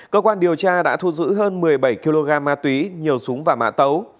cơ quan điều tra đã thu giữ hơn một mươi bảy kg ma túy nhiều súng và mã tấu